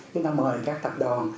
chúng ta mời các tập đoàn